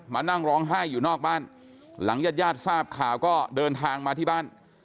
มานั่งร้องไห้อยู่นอกบ้านหลังญาติญาติทราบข่าวก็เดินทางมาที่บ้าน